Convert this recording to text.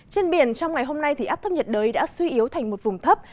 trên biển trong ngày hôm nay áp thấp nhiệt đới đã suy yếu thành một vùng thấp